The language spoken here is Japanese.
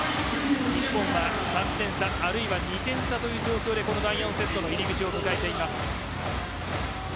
日本は３点差あるいは２点差という形で第４セットの入り口を迎えています。